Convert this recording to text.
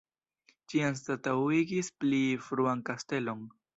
Ĝi anstataŭigis pli fruan kastelon.